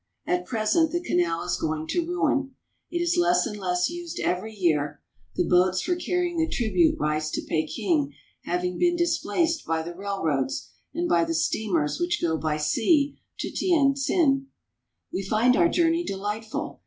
At present the canal is going to ruin. It is less and less used every year, the boats for carrying the tribute rice to Peking having been displaced by the railroads and by the steamers which go by sea to Tientsin. We find our journey delightful.